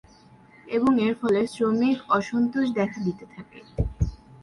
এবং এর ফলে শ্রমিক অসন্তোষ দেখা দিতে থাকে।